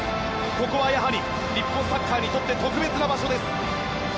ここは、やはり日本サッカーにとって特別な場所です。